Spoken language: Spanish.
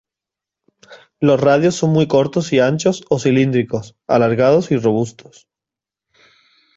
Los radios son muy cortos y anchos o cilíndricos, alargados y robustos.